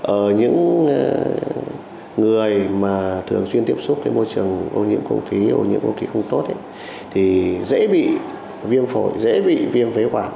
ở những người mà thường xuyên tiếp xúc với môi trường ô nhiễm không khí ô nhiễm không khí không tốt thì dễ bị viêm phổi dễ bị viêm phế quản